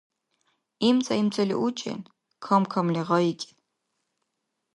ИмцӀа-имцӀали учӀен, кам-камли гъайикӀен.